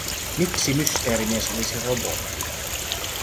Miksi Mysteerimies olisi robotti?